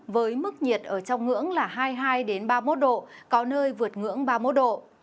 với mức nhiệt ở trong ngưỡng là hai mươi hai ba mươi một độ có nơi vượt ngưỡng ba mươi một độ